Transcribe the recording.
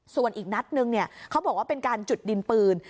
ส่วนอีกนัดนึงเนี่ยเขาบอกว่าเป็นการจุดดินปืน